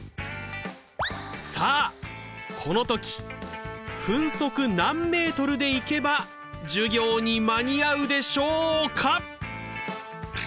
さあこの時分速何メートルで行けば授業に間に合うでしょうか？